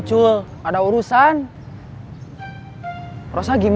kalau adik ada pr enggak